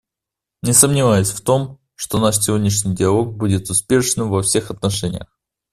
Не сомневаюсь в том, что наш сегодняшний диалог будет успешным во всех отношениях.